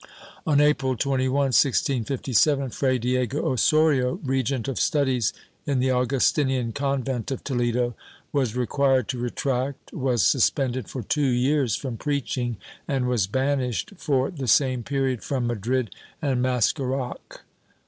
On April 21, 1657, Fray Diego Osorio, regent of studies in the Augus tinian convent of Toledo, was required to retract, was suspended for two years from preaching and was banished for the same period from Madrid and Mascaraque.